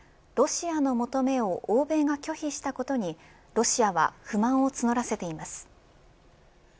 ロシアの求めを欧米が拒否したことにロシアは不満を募らせています。